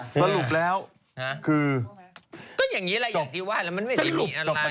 สรุปแล้วคือก็อย่างนี้แหละอย่างที่ว่าแล้วมันไม่ได้มีอะไร